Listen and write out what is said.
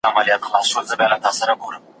مازیګر په رښتیا هم یو غمجن وخت دی.